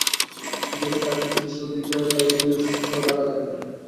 যেহেতু তাঁকে নিজে সুদ দিতে হয়, তাই তিনিও সুদসহ টাকা দাবি করেন।